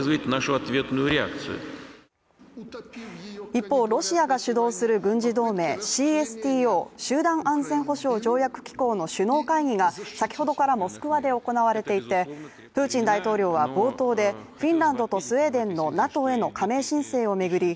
一方ロシアが主導する軍事同盟ＣＳＴＯ＝集団安全保障条約機構の首脳会議が先ほどからモスクワで行われていて、プーチン大統領は冒頭でフィンランドとスウェーデンのＮＡＴＯへの加盟申請を巡り